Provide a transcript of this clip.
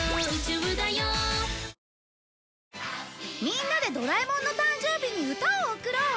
みんなでドラえもんの誕生日に歌を贈ろう！